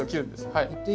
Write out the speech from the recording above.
はい。